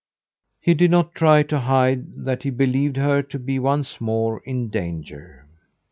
He did not try to hide that he believed her to be once more in danger.